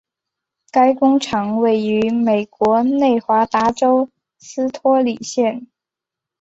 该工厂位于美国内华达州斯托里县。